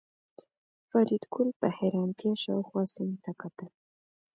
فریدګل په حیرانتیا شاوخوا سیمې ته کتل